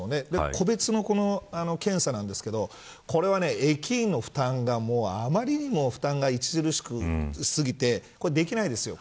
でも個別の検査なんですけどこれは、駅員の負担が余りにも著しすぎてできないですよ。